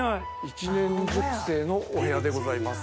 １年熟成のお部屋でございます。